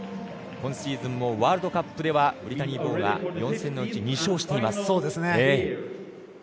今シーズンもワールドカップではブリタニー・ボウが４戦のうち２勝しています。